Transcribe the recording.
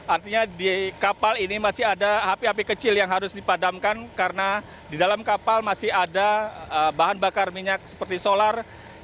artinya di kapal ini masih ada api api kecil yang harus dipadamkan karena di dalam kapal masih ada bahan bakar minyak seperti solar